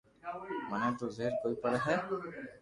مني تو زبر ڪوئي پڙي ھي